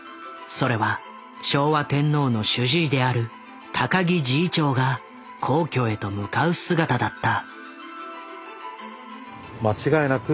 それは昭和天皇の主治医である高木侍医長が皇居へと向かう姿だった。